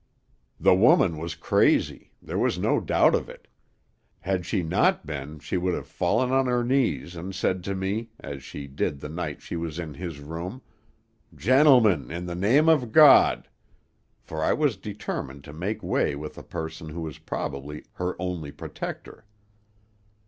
"The woman was crazy; there was no doubt of it. Had she not been she would have fallen on her knees, and said to me, as she did the night she was in this room, 'Gentlemen, in the name of God!' for I was determined to make way with a person who was probably her only protector.